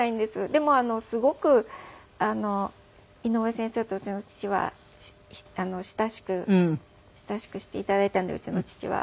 でもすごく井上先生とうちの父は親しく親しくして頂いたんでうちの父は。